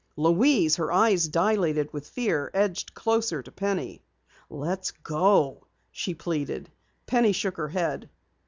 Louise, her eyes dilated with fear, edged closer to Penny. "Let's go," she pleaded. Penny shook her head.